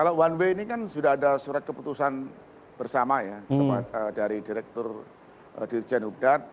kalau one way ini kan sudah ada surat keputusan bersama ya dari direktur dirjen hubdat